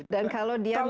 dan kalau dia misalnya